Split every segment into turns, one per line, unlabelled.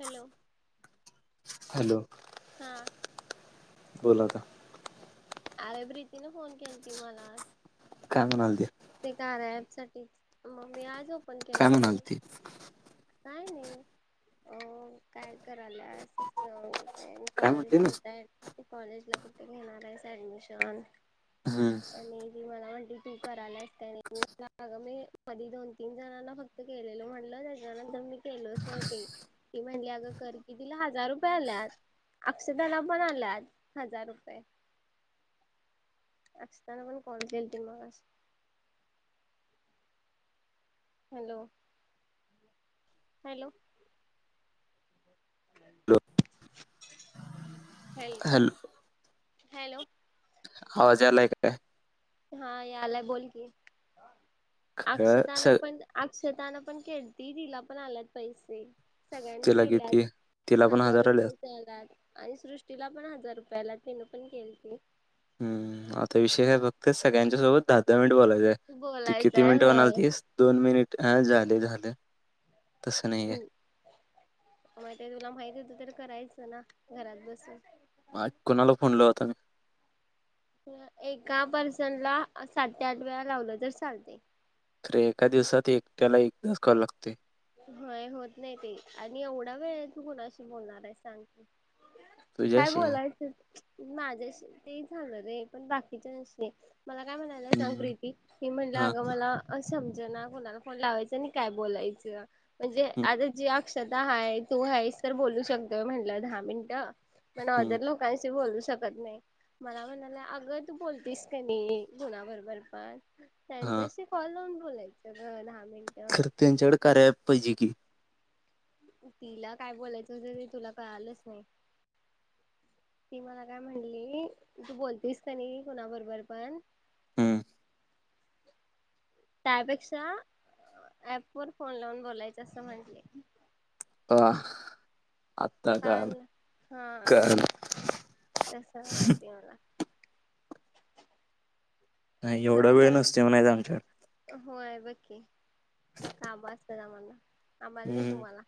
Hello
hello
हा
बोला ना
अरे प्रीतीने फोन केल ती मला
काय म्हणालती
ते कार्या अँप साठी मग मी आज ओपन केलं
काय
ते
म्हणाल
मला
ती
काय नाही अ काय कराल्यास
काय
कॉलेज
म्हणते
ला
ना
कुठ आहे ती कॉलेज ला कुठे घेणार आहेस ऍडमिशन
हम्म
आणि जी मला म्हंली तू करायला आहेस त्याने मी अ मी मधी दोन तीन जणांना फक्त केलेल म्हटल त्याच्या नंतर मी केलोच नाही ते ती म्हणली अगं कर की तिला हजार रुपये आल्यात अक्षताला पण आल्यात हजार रुपये असताना पण कॉल केलती मला आज hello hello
hello
[inaudible]
hello
hello
आवाज यालाय काय
हा यालाय बोल की
खेळ स
अक्षताना पण अक्षतान पण केलती तिला पण आलेत पैसे सगळ्यांनी
तिला किती
केल्यात
तिला पण
हजार
आले
रुपये आल्यात आणि सृष्टीला पण हजार रुपय पहिला तिन पण केलती
हम्म आता विषय काय बघतेस सगळ्यांच्या सोबत दहा दहा मिनिट बोलायचं काय तू किती
बोलायचंय
मिनिट
होय
म्हणालितीस दोन मिनिट लई झालं
हम् माहित तुला माहती होत तर करायचं ना घरात बसून
मा कोणाला फोन लावू आता मी
एका पर्सन ला सात ते आठ वेळा लावलं तर चालतय
तर एका दिवसात एकट्याला एकदाच कॉल लागतोय
होय होत नाही ते आणि एवढा वेळ तू कोणाशी बोलणार आहे सांग की काय
तुझ्याशी आहे.
बोलायचं माझ्याशी ते झालं र आहे पण बाकीच्याशी मला काय म्हणालंय
हम्म,
सांगप्री ती मी म्हणलं
हा
अगं मला- अ समज ना कोुणाला फोन लावायचा आणि काय बोलायचं म्हणजे
हम्म,
आ त जी आ श्रदा हायं तू हाईस तर बोलू शकतोय म्हटलं दहा मिनिट मण
हम्म,
ऑदर लोकाशी बोलूस शकत नाही मला म्हणालायं अगं तू बोलतीस कनीइ नाही जुना बरोबर पण
हा
त्यांच्याशी कॉलून बोलायच गं धा मी
खरं यांच्याकड करा्या ऍप पाहिजे की
तिला काय बोलायचं [unintelligible] तुला कळालच नाही [inaudible] [inaudible] ती मला काय म्हणली तू बोलतेस कनी कुणा बरोबर पण
हम्म
तायापेक्षा अ अ वर फोन लावून बोलायच असं म्हटले
[unintelligible]
काल हा
काल
[inaudible] तस [unintelligible]
नाही एवढं वेळ
खरोखर
नसते म्हच आमच्याक-
ब की का बास त्यातआ म्हला आमल नाही
हम्म
तुम्हाला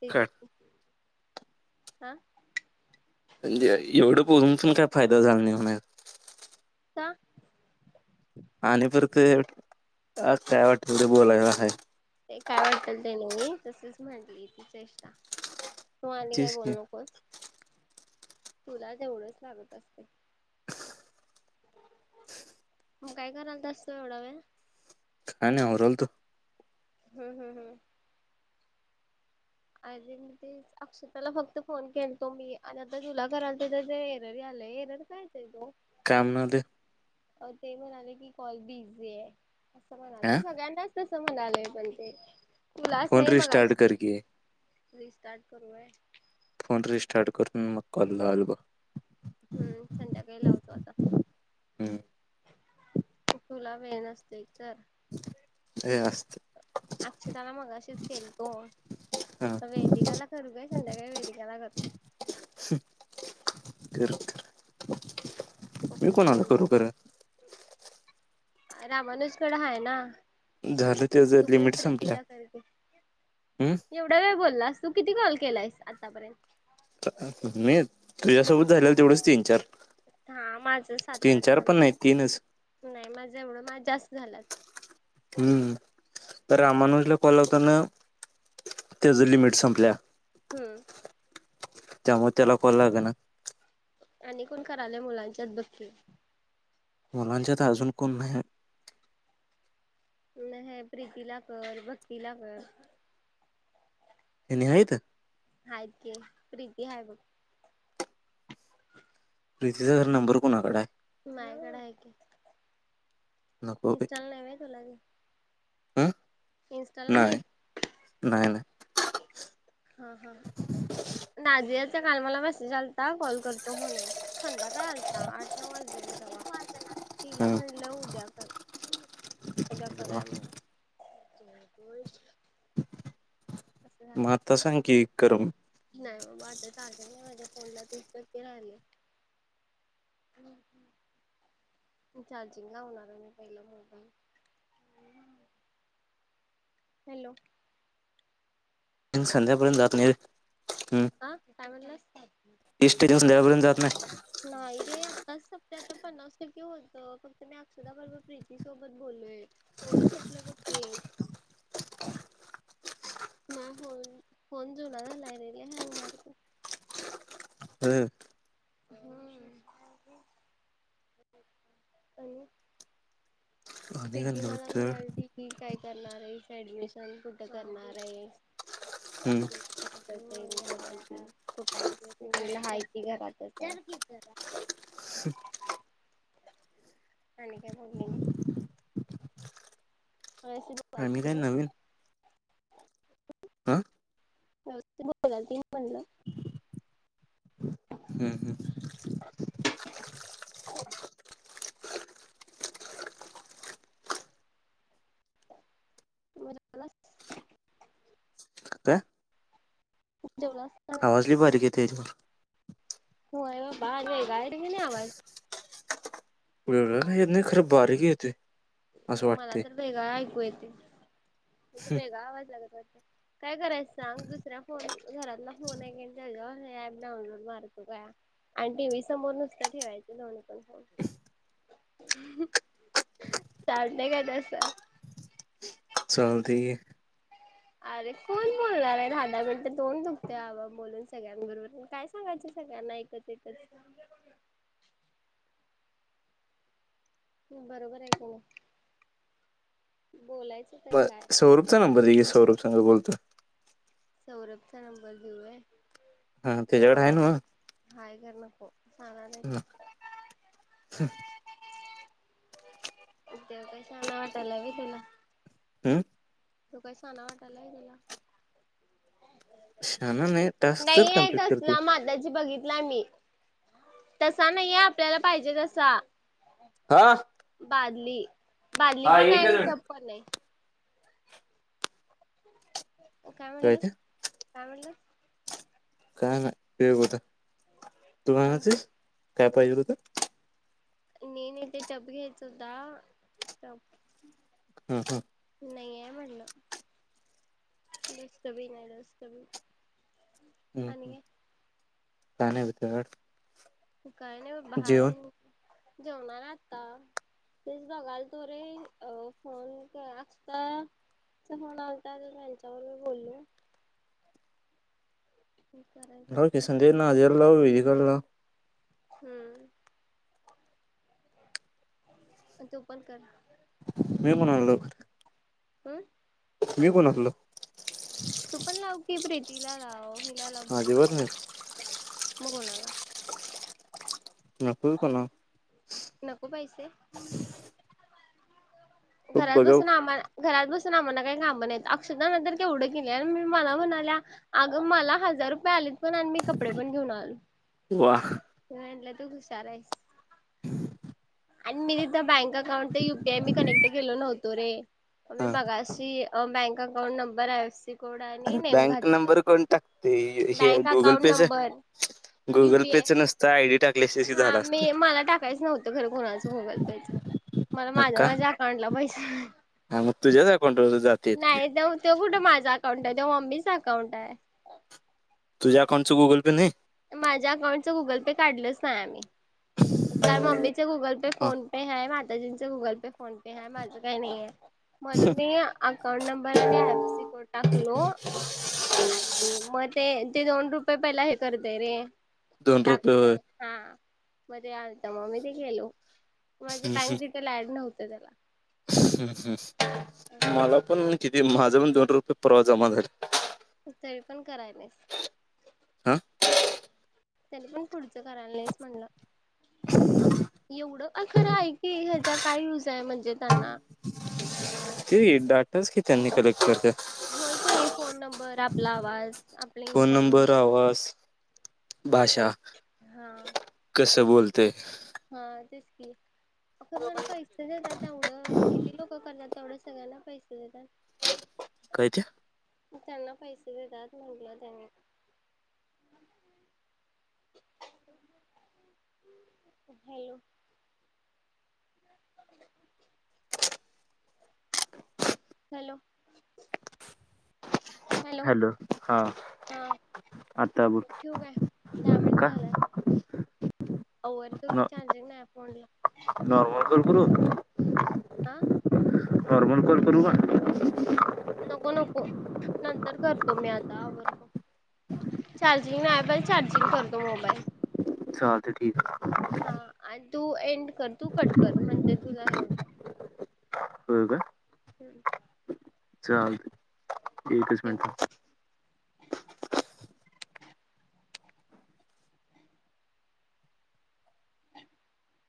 तेच
काय
की हा
[unintelligible] एवढं बुलून पण काय फायदा झाला नाही म्हणायं
का
आत काय वाटलं ते बोलायला हाय
तस च म्हटली ति चेष्टा तू आनी काय
तेच की
बोलूल कोच तुला तेवढंच लागत असतंयं मग काय कराल तास तू एवढा वेळ
काय नाही होरलत.
हम्म हम्म हम्म अेरें मी ते अक्षताला फक्त फोन केलतो मी आणि आता तुला करालते तरते एरर यालंय एरर का येतंय तो
कामनाद
अ ते म्हणाले की कॉल बी इझी हाय असं
हा
म्हणालतं सगळ्यांनाच [unintelligible] म्ह आलेय पण ते तू लास
फोन
नाही
रिस्टार्ट
मगाशी
कर की
[unintelligible] रिस्टार्ट करूय
ह् मक्कललबा
हम्म संध्याकाळी लावतो आता
हम्म
[inaudible] तुला वेळ नसतोय तर
ए
अक्षताला मगाशीच केलतो
हा
वेदिकाला करू काय संध्याकाळी वेदिकाला करतो
कर कर मी
असंच
कोणाला
बोलत
करू खरं
रामानुजकडे हाय ना
झालं त्याच
तू
लिमिट
पण
संपल्या
प्रीतीला कर
हम्म
की एवढा वेळ बोललास तू किती कॉल केलायस आतापर्यंत
नाही तुझ्यासोबत झालेला तेवढंच तीन चार
हा माझ सात
तीन
आठ
चार पण
झाला
नाही तीनच
नाही माझं एवढं मा जास्त झाल्यात
हम्म तर रामानुजला कॉल लावताना त्याच लिमिट संपल्या
हम्म
त्यामुळे त्याला कॉल लागेना
आणि कोण कराल मुलांच्यात बक्की
मुलांच्यात अजून कोण नाही
नाही ह प्रीती ला कर भक्ती ला कर
हेनी आहित
हाय की प्रीती हय ब
प्रीतीचा खर नंबर कोणाकड आहे
मायाकड आहे की इंस्टाला नाही होय तुला ती
हम नाही नाही नाही
हा हा नाझिया काल मला मेसेज आलता कॉल करतो म्हणून संध्याकाळी आलता आठ नऊ वाजल ते तिला
हं.
म्हणलं उद्या कर उद्या करूया म्ह होयच की
मग आता सांग की करम
नाही बाबा आता चार्जिंग नाही माझ्या फोनला तीस टक्के राहिलय चार्जिंग लावणार आहे मी पहिला फोन ला हॅलो
तीस संध्याकाळपर्यंत
हॅलो
जात ना
हा काय म्हणलास
जात नाही
नाहीय रे आत्ताच संपलय ते आता पन्नास टक्के होतं फक्त मी अक्षदा बरबर प्रीती सोबत बोललोय तेवढंच संपलय बघ की नाही हो फोन जुना झालाय रे लई हँग मारालाय
हम्
हम्म आणि
आणि काय
प्रीती
नवीन
मला
तर
म्हणालती की काय करणार हाईस ऍडमिशन कु
हं.
[unintelligible] कुठंहाईस मी म्हणलं हाय कि घरातच हाय आणी काय बोली नाही.
आणि काय नवीन. आं
हो बोला तीन म्हणलं.
हं हं.
[inaudible] [unintelligible] जेवलास. का
आवाजलइ बारीक येतोय हेच्यावर.
होय बाबा वेगळा हाय कणी आवाज.
वेगळा काय येत नाही खरं बारीक येतोय. असं
मला
वाटतंय
तर वेगळा ऐकू येते म्हणजे वेगळा आवाज लागत वाटत. काय करायचं सांग दुसऱ्या फोन घरातला फोन आहे क त्याच्यावर हे ऍप डाउनलोड मारतो काय आणि टीव्ही समोर नुसतं ठेवायचं दोन्ही पण फोन. चालतंय काय तसं?
चालतंय कि.
अरे कोण बोलणार आहे दहा दहा मिनटं तोंड दुखते हवां बोलून सगळ्यांबरोबर काय सांगायच सगळ्यांना ऐकच ऐकच. ह बरोबर हाय का नाही. बोलायचं तर
बर
काय
स्वरूप चा नंबर दे कि स्वरूप सांग बोलतो.
सौरभचा नंबर देऊ होय.
हा
नको
त्याच्याकडे आहे
बाबा
ना
हाय कर नको शान नाही तो. त्यो काय शाणा वाटालाय होय तुला.
हम्म.
त्यो काय शाणा वाटालाय होय तुला.
शाना नाही टास्क तर कंप्लीट करते.
ला मी तसा नाहीये आपल्याला पाहिजे जसा.
हा
बादली बादली
हा
पण नाही
एकच
आणी
मिनिट
टप पण नाही. काय म्हणलास? काय म्हणलास?
काय नाही ते बता तू
हा हा
[unintelligible] काय पयजेल होतं?
नेन येत टप घ्यायच होता टप
हम्म हम्म.
नाही आहे म्हणलं लुस्क बी नाही डोस्क बी नाही.
हम्म हम्म. काय नाही बाई तुज्याकडं.
काय नाही ओ बाहे जेवणारे आता तेच बघाल तो रे अ फोन आलता फोन आता त्यांच्या बरोबर बोलले करायच
[unintelligible] [unintelligible]
हम्म पण तू पण कर.
मी म्हणालो
कोण
मी [unintelligible]
तू पण लाव की फ्री तिलालाव तिला लाव
अजिबात
भक्तीला
नाही
लाव मग कोणाला नको पैसे
[unintelligible] तो
घरात
बघाव
बसून आम्हाला घरात बसून आम्हाला काही काम नाही अक्षदा तर तेवढं केेले आणि मी मला म्हणाल्या अगं मला हजार रुपये आलेत पण आणि मी कपडे पण घेऊन आलो
वा
मी म्हटलं तू हुशार आहेस. आणि मी तिथं बँक अकाउंट ते युपीआय नि कनेक्ट केलो नव्हतो रे. अम
हा
मगाशी अ बँक अकाउंट नंबर आहे
अरे बँक नंबर कोण टाकते हे
बँक
गुगल
अकाउंट
पेच
नंबर
गुगल
युपीआय
पेच नसतं आयडी टाकले शी कि झाल असत.
माझा मोबाईल घ्यायचा मला माझ्या माझ्या अकाउंटला पैसे
हा मग तुझ्याच अकाउंटवर जाते की
नाही त्यो त्यो ममकुठं माझा अकाउंट आहे ते मम्मीच काउंट आहे
तुझ्या अकाउंटचं गुगल पे नाही.
माझ्या अकाउंटचं गुगल पे काढलंच नाही आम्ही. [unintelligible] गुगल पे
हा,
फोन पे आहे माझं काही नाहीे ये. म्हणून मी अकाउंट नंबर आणि आयफसी कोड टाकलो आणि म ते ते दोन रुपये पहिला हे करतेय रे
दोन रुपये
टाकते
होय
हा. मध्ये आलत मग मी ते गेलो. माझं बँक डिटेल ऍड नव्हं होला [unintelligible]
मला पण किती ते माझा पण दोन रुपये परवा जमा झाले
तरी पण करायलास
हा
त्यानी पण पुढ कराच म्हणलं एवढं अ खरं आहेऐ की ह्याचा काय युज आहे म्हणजे त्यांना
ते डाटाच कि त्यांनी कलेक्ट करतात
होय का नाही फोन नंबर आपला आवाज आपले
फोन नंबर
इन्फॉर्मेशन
आवाज भाषा
आपण हा
ते
हा तेच कि अरपण पैसे देतात तेवढं किती लोकं करण्यात तेवढं सगळ्यांना पैसे देतात
काय ते
म त्यांना पैसे देतात म्हटलं त्यांनी हॅलो हॅलो
हॅलो हा
हा
आता बोल
ठेऊ काय दहा मिनिट
का
झालं चारजिंग नाय फोनला
शरु [unintelligible]
आह
नॉर्मल कॉल करूका
नको नको नंतर करतो मी आता आवडतो चार्जिंग नाही पहिले चार्जिंग करतो मोबाईल
चालत ठीक
टू एंड कर तू कटकर म्हणजे तुला हेव
होय का
हम्
चालते एकच मिनट